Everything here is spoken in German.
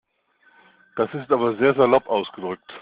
Das ist aber sehr salopp ausgedrückt.